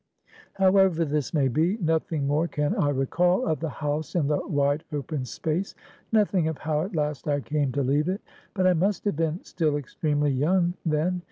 "However this may be, nothing more can I recall of the house in the wide open space; nothing of how at last I came to leave it; but I must have been still extremely young then.